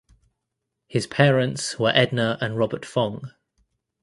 His parents were Edna and Robert Fong.